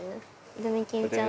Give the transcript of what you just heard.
デメキンちゃん。